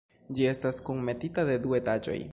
Ĝi estas kunmetita de du etaĝoj.